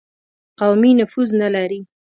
قومي نفوذ نه لري.